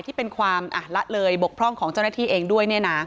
ที่เป็นความละเลยบกพร่องของเจ้าหน้าที่เองด้วย